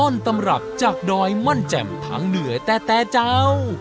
ต้นตำรับจากดอยม่อนแจ่มทั้งเหนื่อยแต่แต่เจ้า